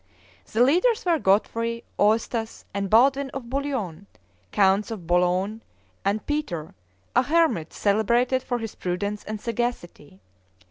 The leaders were Godfrey, Eustace, and Baldwin of Bouillon, counts of Boulogne, and Peter, a hermit celebrated for his prudence and sagacity.